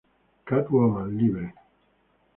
Catwoman: Libre.